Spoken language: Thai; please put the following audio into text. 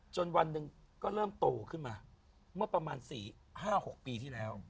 วันหนึ่งก็เริ่มโตขึ้นมาเมื่อประมาณ๔๕๖ปีที่แล้ว